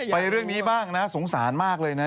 เรื่องนี้บ้างนะสงสารมากเลยนะ